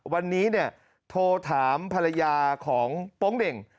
วันนี้โทรถามภรรยาของโป๊งเด่ง